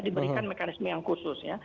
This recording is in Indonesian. diberikan mekanisme yang khusus ya